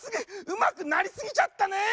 うまくなりすぎちゃったね！